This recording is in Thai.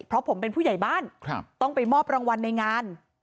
เพราะผมเป็นผู้ใหญ่บ้านต้องไปมอบรางวัลในงาน